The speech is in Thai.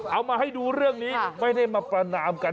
เอามาให้ดูเรื่องนี้ไม่ได้มาประนามกัน